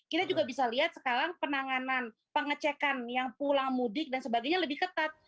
kita juga bisa lihat sekarang penanganan pengecekan yang pulang mudik dan sebagainya lebih ketat